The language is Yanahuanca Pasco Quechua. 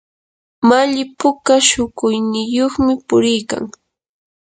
malli puka shukuyniyuqmi puriykan.